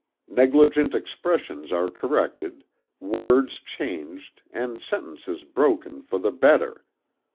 Negligent expressions are corrected, words changed and sentences broken for the better.